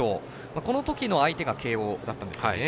この時の相手が慶応だったんですよね。